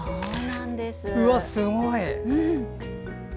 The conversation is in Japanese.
うわ、すごい！